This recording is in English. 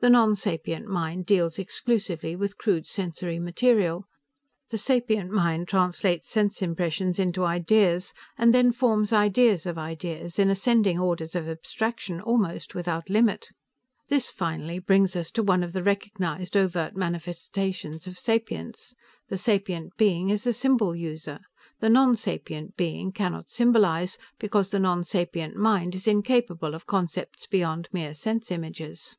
The nonsapient mind deals exclusively with crude sensory material. The sapient mind translates sense impressions into ideas, and then forms ideas of ideas, in ascending orders of abstraction, almost without limit. "This, finally, brings us to one of the recognized overt manifestations of sapience. The sapient being is a symbol user. The nonsapient being cannot symbolize, because the nonsapient mind is incapable of concepts beyond mere sense images."